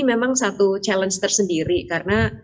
memang satu challenge tersendiri karena